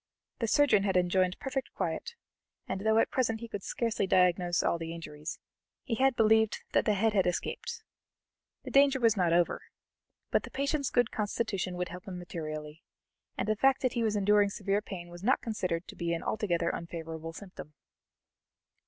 The surgeon had enjoined perfect quiet, and though at present he could scarcely diagnose all the injuries, he believed that the head had escaped. The danger was not over, but the patient's good constitution would help him materially, and the fact that he was enduring severe pain was not considered to be an altogether unfavorable symptom.